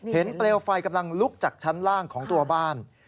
เปลวไฟกำลังลุกจากชั้นล่างของตัวบ้าน